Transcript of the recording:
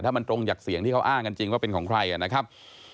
ถ้ามันตรงจากเสียงที่เขาอ้างกันจริงว่าเป็นของใครนะครับ